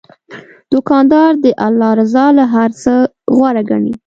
دوکاندار د الله رضا له هر څه غوره ګڼي.